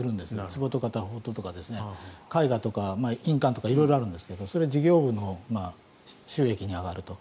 つぼとか、絵画とか、印鑑とか色々あるんですけどそれは事業部の収益に上がると。